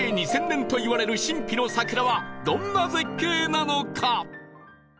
２０００年といわれる神秘の桜はどんな絶景なのか？